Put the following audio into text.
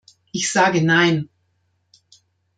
Ich sage "nein".